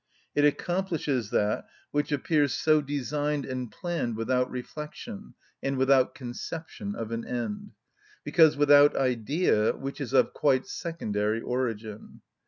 It accomplishes that which appears so designed and planned without reflection and without conception of an end, because without idea, which is of quite secondary origin.